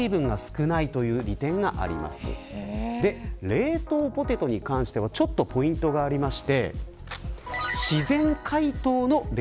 冷凍ポテトに関してはちょっとポイントがあります。